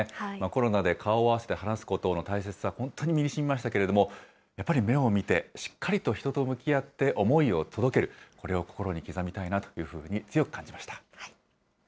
コロナで顔を合わせて話すことの大切さ、本当に身にしみましたけれども、やっぱり目を見て、しっかりと人と向き合って思いを届ける、これを心に刻みたいなというふうに強く感じました。